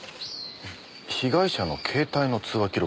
被害者の携帯の通話記録。